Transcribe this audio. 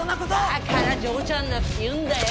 だから嬢ちゃんだっていうんだよ。